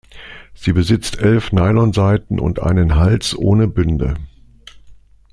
Sie besitzt elf Nylonsaiten und einen Hals ohne Bünde.